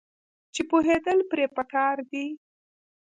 چې پوهیدل پرې پکار دي.